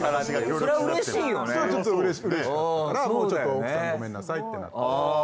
それはちょっとうれしかったからもうちょっと奥さんごめんなさいってなった。